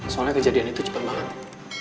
soalnya kejadian itu cepat banget